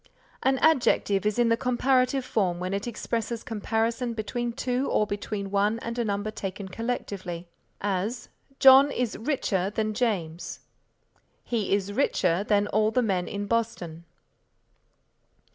An adjective is in the comparative form when it expresses comparison between two or between one and a number taken collectively, as, "John is richer than James"; "he is richer than all the men in Boston."